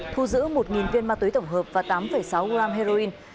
thu giữ một viên ma túy tổng hợp và tám sáu gram heroin